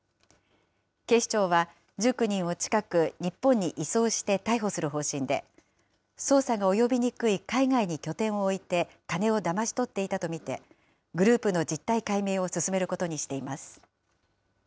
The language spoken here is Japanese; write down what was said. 警視庁は１９人を近く、日本に移送して逮捕する方針で、捜査が及びにくい海外に拠点を置いて金をだまし取っていたと見て、グループの実態解明を進めることにしています。